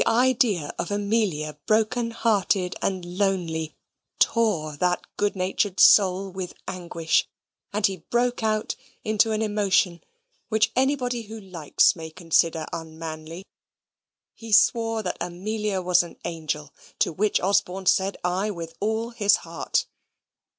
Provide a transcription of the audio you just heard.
The idea of Amelia broken hearted and lonely tore that good natured soul with anguish. And he broke out into an emotion, which anybody who likes may consider unmanly. He swore that Amelia was an angel, to which Osborne said aye with all his heart.